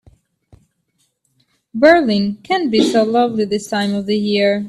Berlin can be so lovely this time of year.